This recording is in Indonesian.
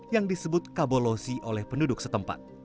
yang disebut kabolosi oleh penduduk setempat